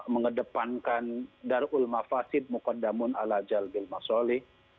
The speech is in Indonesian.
mengedepankan darul mafasib mukaddamun al ajal bil masyolih